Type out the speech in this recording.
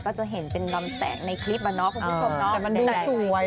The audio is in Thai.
ก็จะเห็นเป็นลำแสงในคลิปอ่ะเนาะคุณผู้ชมเนาะแต่มันดูแต่สวย